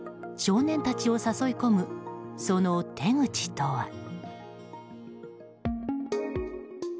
少年たちを誘い込むその手口とは。